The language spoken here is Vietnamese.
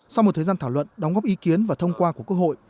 sau một thời gian thảo luận đóng góp ý kiến và thông qua của quốc hội